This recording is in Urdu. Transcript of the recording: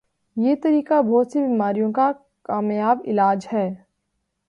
یہ طریقہ بہت سی بیماریوں کا کامیابعلاج ہے